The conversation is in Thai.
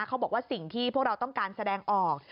เขาบอกว่าสิ่งที่พวกเราต้องการแสดงออก